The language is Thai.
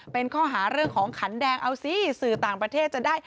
เป็นข้อหาเรื่องของขันแดงเอาสิสื่อต่างประเทศจะได้